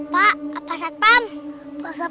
pak pasat pam